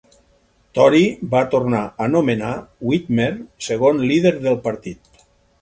Tory va tornar a nomenar Witmer segon líder del partit.